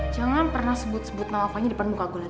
jangan pernah sebut sebut nama fahnya di depan muka gue lagi